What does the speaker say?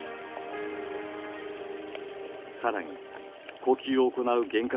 更に呼吸を行う原核